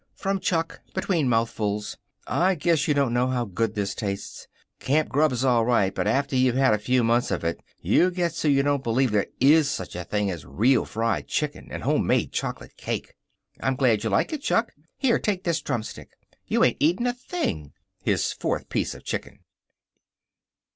From Chuck, between mouthfuls: "I guess you don't know how good this tastes. Camp grub's all right, but after you've had a few months of it you get so you don't believe there IS such a thing as real fried chicken and homemade chocolate cake." "I'm glad you like it, Chuck. Here, take this drumstick. You ain't eating a thing!" His fourth piece of chicken.